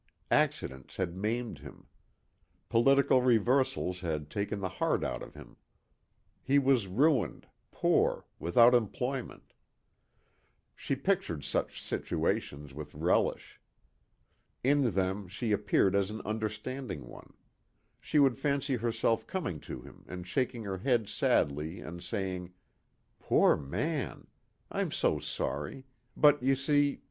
Accidents had maimed him. Political reversals had taken the heart out of him. He was ruined, poor, without employment. She pictured such situations with relish. In them she appeared as an understanding one. She would fancy herself coming to him and shaking her head sadly and saying, "Poor man. I'm so sorry. But you see ...